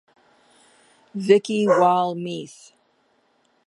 Vikki Wall Meath